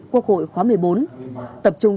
quốc hội khóa một mươi bốn tập trung